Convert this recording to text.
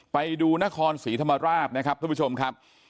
ไปดูนครศรีธรรมราชนะครับทุกผู้ชมครับ